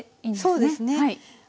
そうですね。